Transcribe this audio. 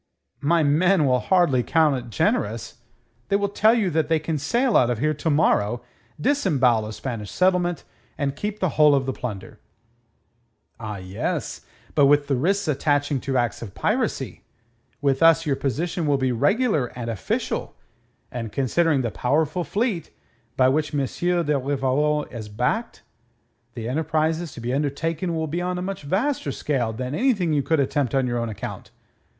"My men will hardly account it generous. They will tell you that they can sail out of here to morrow, disembowel a Spanish settlement, and keep the whole of the plunder." "Ah, yes, but with the risks attaching to acts of piracy. With us your position will be regular and official, and considering the powerful fleet by which M. de Rivarol is backed, the enterprises to be undertaken will be on a much vaster scale than anything you could attempt on your own account.